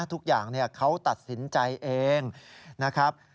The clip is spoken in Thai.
ทุกอย่างเขาตัดสินใจเองนะครับ